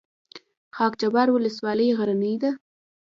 خاک جبار ولسوالۍ غرنۍ ده؟